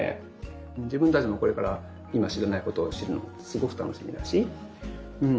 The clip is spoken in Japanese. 自分たちもこれから今知らないことを知るのってすごく楽しみだしうん。